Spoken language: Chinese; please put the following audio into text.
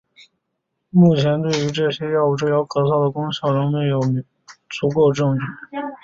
目前对于这些药物治疗咳嗽的功效仍没有足够证据。